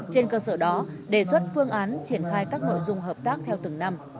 trên cơ sở đó đề xuất phương án triển khai các nội dung hợp tác theo từng năm